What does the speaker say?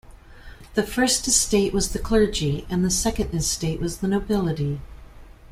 The First Estate was the clergy, and the Second Estate was the nobility.